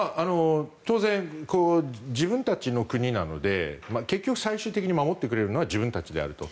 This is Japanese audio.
当然、自分たちの国なので結局、最終的に守ってくれるのは自分たちであると。